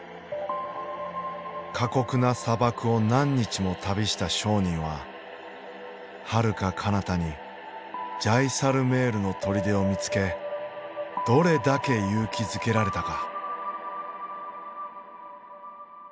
過酷な砂漠を何日も旅した商人ははるかかなたにジャイサルメールの砦を見つけどれだけ勇気づけられたか。